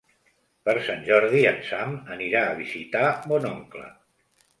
Per Sant Jordi en Sam anirà a visitar mon oncle.